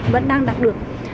vẫn đang đạt được